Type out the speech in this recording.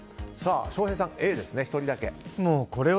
翔平さん、Ａですね１人だけ。